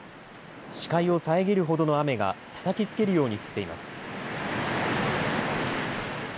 視界を遮るほどの雨がたたきつけるように降っています。